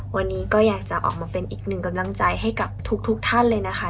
วันนี้ก็อยากจะออกมาเป็นอีกหนึ่งกำลังใจให้กับทุกท่านเลยนะคะ